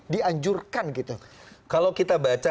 menjelaskan kalau kita baca